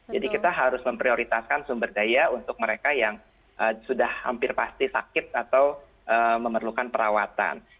jadi kita harus memprioritaskan sumber daya untuk mereka yang sudah hampir pasti sakit atau memerlukan perawatan